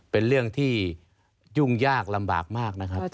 เป็นเรื่องที่ยุ่งยากลำบากมากนะครับ